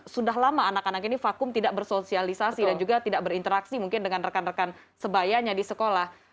sudah lama anak anak ini vakum tidak bersosialisasi dan juga tidak berinteraksi mungkin dengan rekan rekan sebayanya di sekolah